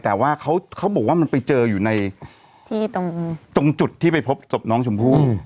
แต่ว่าเขาบอกว่ามันไปเจออยู่ในที่ตรงจุดที่ไปพบศพน้องชมพู่